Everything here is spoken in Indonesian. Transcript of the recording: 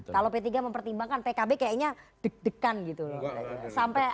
kalau p tiga mempertimbangkan pkb kayaknya deg degan gitu loh